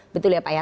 betul ya pak ya